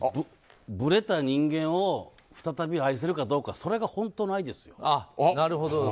ぶれた人間を再び愛せるかどうかそれが本当の愛ですよ。